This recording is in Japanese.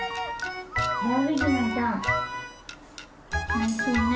おいしいね。